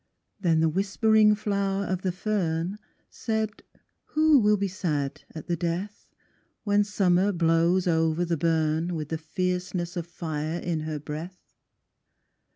Then the whispering flower of the fern Said, "who will be sad at the death, When Summer blows over the burn, With the fierceness of fire in her breath?"